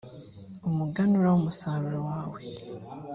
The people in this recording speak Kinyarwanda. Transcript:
umuganura w umusaruro wawe